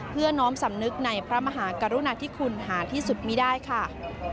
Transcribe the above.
น้อมสำนึกในพระมหากรุณาธิคุณหาที่สุดมีได้ค่ะ